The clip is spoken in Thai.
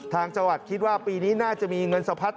ทางจังหวัดคิดว่าปีนี้น่าจะมีเงินสะพัด